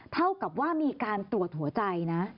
เท่ากับว่ามีการตรวจหัวใจนะ